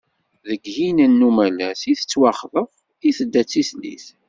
Deg yinen n umalas i tettwaxḍeb, i tedda d tislit.